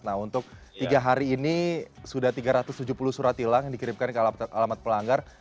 nah untuk tiga hari ini sudah tiga ratus tujuh puluh surat tilang yang dikirimkan ke alamat pelanggar